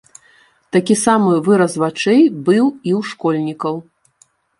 Такі самы выраз вачэй быў і ў школьнікаў.